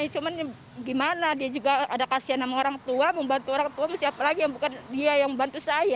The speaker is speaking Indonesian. cuman gimana dia juga ada kasian sama orang tua membantu orang tua siapa lagi yang bukan dia yang membantu saya